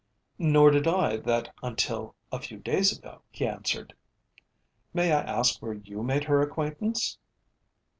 "Nor did I that until a few days ago," he answered. "May I ask where you made her acquaintance?"